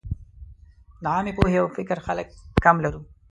د عامې پوهې او فکر خلک کم لرو.